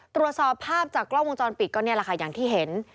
ตรวจสอบภาพจากกล้องวงจรปิดก็นี่แหละค่ะอย่างที่เห็น